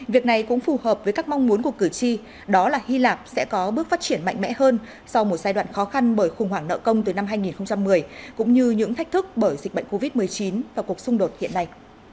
việc này cũng phù hợp với các mong muốn của cử tri đó là hy lạp sẽ có bước phát triển mạnh mẽ hơn sau một giai đoạn khó khăn bởi khủng hoảng nợ công từ năm hai nghìn một mươi cũng như những thách thức bởi dịch bệnh covid một mươi chín và cuộc xung đột hiện nay